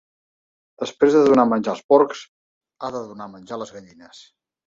Després de donar menjar als porcs, ha de donar menjar a les gallines.